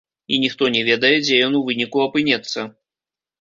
І ніхто не ведае, дзе ён у выніку апынецца.